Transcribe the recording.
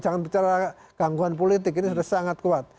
jangan bicara gangguan politik ini sudah sangat kuat